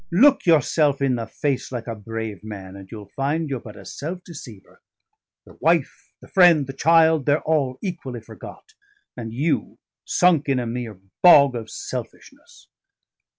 Look yourself in the face like a brave man, and you'll find you're but a self deceiver. The wife, the friend, the child, they're all equally forgot, and you sunk in a mere bog of selfishness."